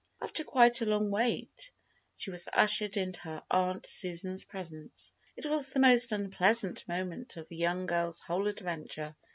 After quite a long wait she was ushered into her Aunt Susan's presence. It was the most unpleasant moment of the young girl's whole adventure.